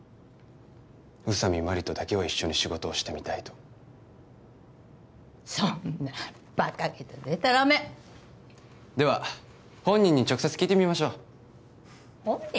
「宇佐美マリとだけは一緒に仕事をしてみたい」とそんなバカげたデタラメでは本人に直接聞いてみましょう本人？